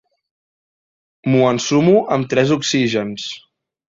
M'ho ensumo amb tres oxígens.